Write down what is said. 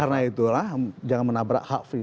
karena itulah jangan menabrak hak privat itu